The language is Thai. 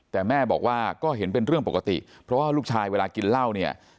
แต่แม่บอกว่าก็เห็นเป็นเรื่องปกติเพราะว่าลูกชายเวลากินเหล้าเนี่ย